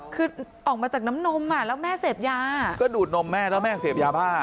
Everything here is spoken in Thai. คือออกมาจากน้ำนมอ่ะแล้วแม่เสพยาก็ดูดนมแม่แล้วแม่เสพยาบ้า